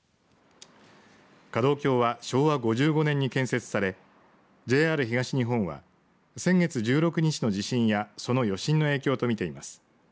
架道橋は、昭和５５年に建設されＪＲ東日本は先月１６日の地震やその余震の影響とみています。